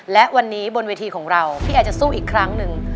และวันนี้บนเวทีของเราพี่ไอจะสู้อีกครั้งหนึ่ง